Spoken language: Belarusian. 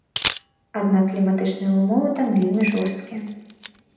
Аднак кліматычныя ўмовы там вельмі жорсткія.